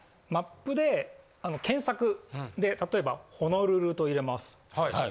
マップで検索で例えば、ホノルルと入れます。